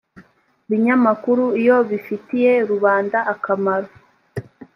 binyamakuru iyo bifitiye rubanda akamaro